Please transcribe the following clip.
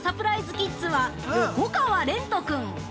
キッズは横川蓮人君。